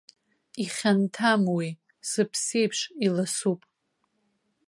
Ихьанҭам уи, сыԥсеиԥш иласуп.